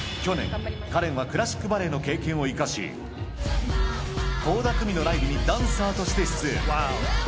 去年、カレンはクラシックバレエの経験を生かし、倖田來未のライブにダンサーとして出演。